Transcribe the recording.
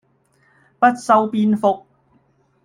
不修邊幅